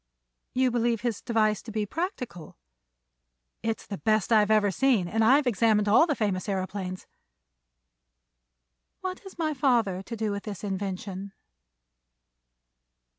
"You believe his device to be practical?" "It's the best I have ever seen, and I've examined all the famous aëroplanes." "What has my father to do with this invention?"